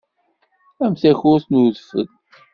Am takurt n udfel.